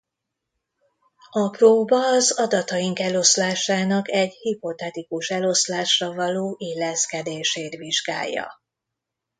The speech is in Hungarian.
A próba az adataink eloszlásának egy hipotetikus eloszlásra való illeszkedését vizsgálja.